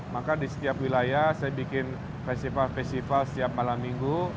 maka di setiap wilayah saya bikin festival festival setiap malam minggu